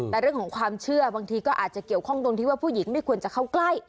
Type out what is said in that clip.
แต่เรื่องของความเชื่อบางทีก็อาจจะเกี่ยวข้องตรงที่ว่าผู้หญิงไม่ควรจะเข้าใกล้